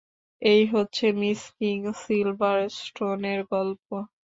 এই হচ্ছে Miss King সিলভারষ্টোনের গল্প।